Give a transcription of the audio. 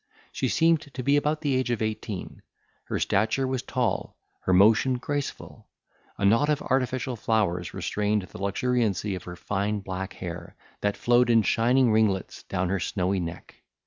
She seemed to be about the age of eighteen. Her stature was tall; her motion graceful. A knot of artificial flowers restrained the luxuriancy of her fine black hair, that flowed in shining ringlets adown her snowy neck.